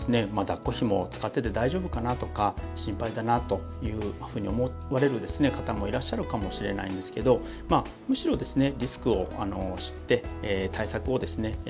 だっこひもを使ってて大丈夫かなとか心配だなというふうに思われる方もいらっしゃるかもしれないんですけどむしろですね